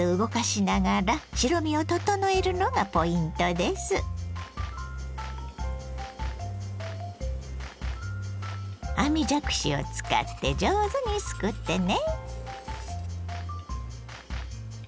絶えず網じゃくしを使って上手にすくってね。